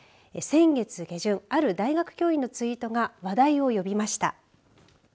先月下旬ある大学教員のツイートが話題を呼びました。